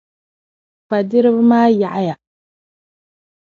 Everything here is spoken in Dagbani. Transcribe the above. Fa'diriba maa yaɣiya.